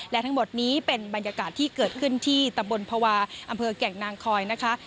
และทั้งหมดนี้เป็นบรรยากาศที่เกิดขึ้นที่ตำบลภาวะอำเภอแก่งนางคอยนะคะ